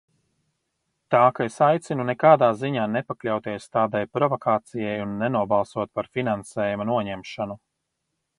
Tā ka es aicinu nekādā ziņā nepakļauties tādai provokācijai un nenobalsot par finansējuma noņemšanu.